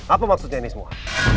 apa maksudnya ini semua